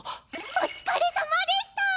お疲れさまでした。